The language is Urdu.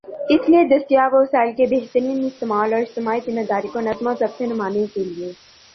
اس لئے دستیاب وسائل کے بہترین استعمال اور اجتماعی ذمہ داری کو نظم و ضبط سے نبھانے کے لئے